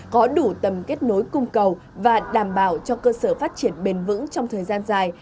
có đủ tầm kết nối cung cầu và đảm bảo cho cơ sở phát triển bền vững trong thời gian dài